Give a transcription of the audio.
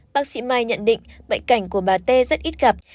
bác sĩ mai nhận định bệnh cảnh của bà tê rất ít gặp